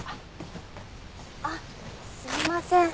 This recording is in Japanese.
あっすみません。